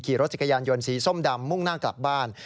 ขี่รถจักรยานยนต์สีส้มดำมุ่งหน้ากลับบ้าน